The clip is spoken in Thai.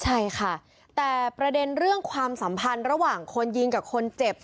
ใช่ค่ะแต่ประเด็นเรื่องความสัมพันธ์ระหว่างคนยิงกับคนเจ็บ